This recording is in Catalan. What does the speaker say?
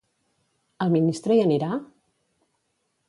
El ministre hi anirà?